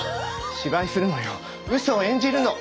芝居するのようそを演じるの。